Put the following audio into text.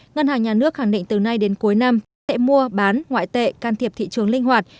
ngân hàng nhà nước khẳng định từ nay đến cuối năm sẽ mua bán ngoại tệ can thiệp thị trường linh hoạt